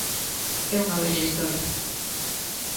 É unha vella historia.